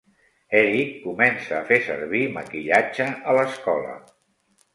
Eric comença a fer servir maquillatge a l'escola.